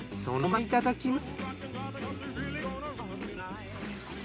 いただきます。